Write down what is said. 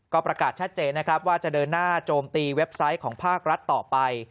ก็ประกาศชัดเจนนะครับว่าจะเดินหน้าโจมตีเว็บไซต์ของภาครัฐต่อไป